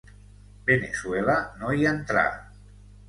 Veneçuela no hi entrà.